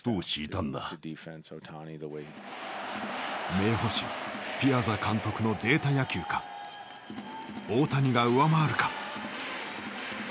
名捕手ピアザ監督のデータ野球か大谷が上回るか。